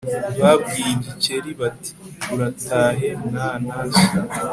babwiye igikeri bati uratahe na ntashya